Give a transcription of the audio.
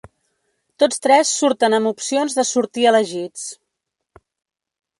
Tots tres surten amb opcions de sortir elegits.